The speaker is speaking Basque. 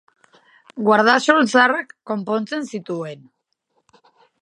Guardasol zaharrak konpontzen zituen.